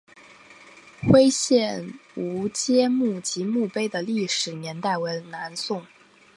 徽县吴玠墓及墓碑的历史年代为南宋。